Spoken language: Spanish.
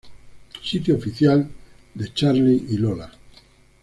Sitio oficial de Charlie y Lola